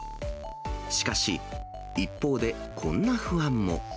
しかし、一方でこんな不安も。